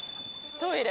トイレ。